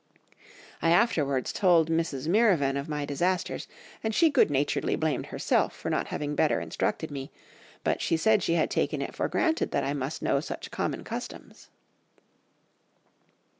"I afterwards told Mrs. Mirvan of my disasters, and she good naturedly blamed herself for not having better instructed me, but she said she had taken it for granted that I must know such common customs."